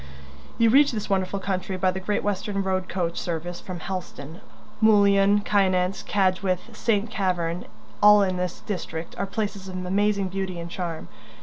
You reach this wonderful country by the Great Western road coach service from Helston. Mullion, Kynance, Cadgwith, St. Keverne, all in this district, are places of amazing beauty and charm.